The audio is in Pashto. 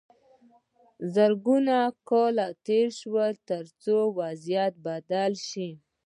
زرګونه کاله تیر شول تر څو وضعیت بدل شو.